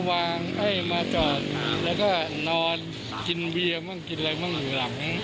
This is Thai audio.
อย่างที่เป็นข่าวข่าวน้ำเบอร์อีกหนึ่งตัวมาวางเพื่อจองคิว